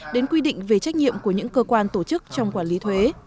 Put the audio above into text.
đến quy định về trách nhiệm của những cơ quan tổ chức trong quản lý thuế